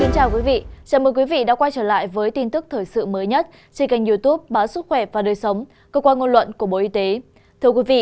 chào mừng quý vị đã quay trở lại với tin tức thời sự mới nhất trên kênh youtube báo sức khỏe và đời sống cơ quan ngôn luận của bộ y tế